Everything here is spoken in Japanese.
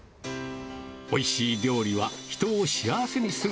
おいしい料理は人を幸せにする。